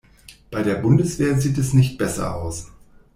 Bei der Bundeswehr sieht es nicht besser aus.